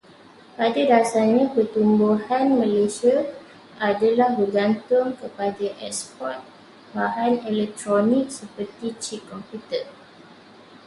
Pada dasarnya, pertumbuhan Malaysia adalah bergantung kepada eksport bahan elektronik seperti cip komputer.